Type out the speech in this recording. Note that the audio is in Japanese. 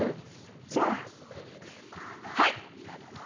じゃあはい。